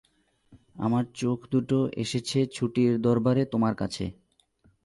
আমার চোখ দুটো এসেছে ছুটির দরবারে তোমার কাছে।